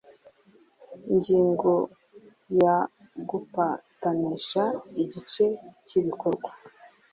Ingingo ya gupatanisha igice cy ibikorwa